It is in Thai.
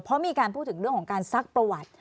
เพราะมีการพูดถึงเรื่องของการซักประวัติ